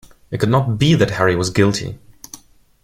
It could not be that Harry was guilty.